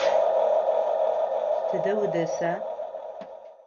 Тыдэ удэса?